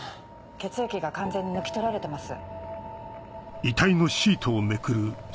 血液が完全に抜き取られてます。